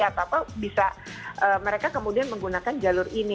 atau bisa mereka kemudian menggunakan jalur ini